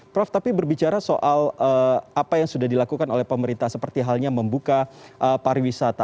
prof tapi berbicara soal apa yang sudah dilakukan oleh pemerintah seperti halnya membuka pariwisata